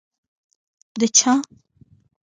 د چا؟